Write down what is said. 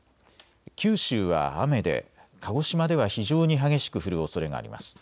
九州は雨で鹿児島では非常に激しく降るおそれがあります。